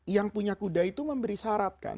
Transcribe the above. yang punya kuda itu memberi syarat kan